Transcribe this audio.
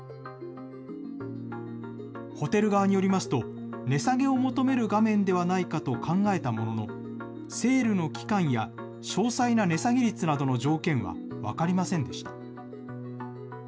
ホテル側によりますと、値下げを求める画面ではないかと考えたものの、セールの期間や詳細な値下げ率などの条件は分かりませんでした。